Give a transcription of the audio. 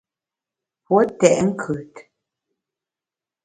Pue tèt nkùt.